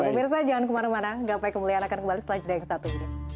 pemirsa jangan kemana mana gapai kemuliaan akan kembali setelah jeda yang satu